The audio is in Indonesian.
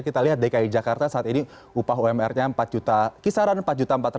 kita lihat dki jakarta saat ini upah umrnya empat juta kisaran empat juta empat ratus